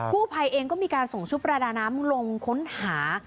ผู้ภัยเองก็มีการส่งชุดประดาน้ำลงค้นหา